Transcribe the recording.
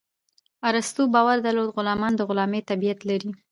ارسطو باور درلود غلامان د غلامي طبیعت لري.